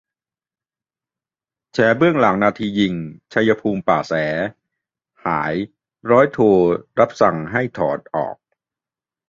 แฉเบื้องหลังนาทียิง "ชัยภูมิ ป่าแส"หาย ร้อยโทรับนายสั่งให้ถอดออก